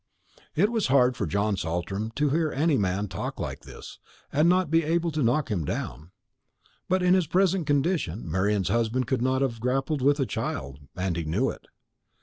It was hard for John Saltram to hear any man talk like this, and not be able to knock him down. But in his present condition Marian's husband could not have grappled a child, and he knew it.